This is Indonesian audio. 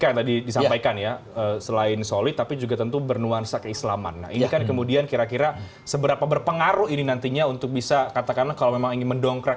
yang tadi disampaikan ya selain solid tapi juga tentu bernuansa keislaman nah ini kan kemudian kira kira seberapa berpengaruh ini nantinya untuk bisa katakanlah kalau memang ingin mendongkrak